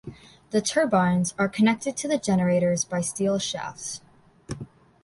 The turbines are connected to the generators by steel shafts.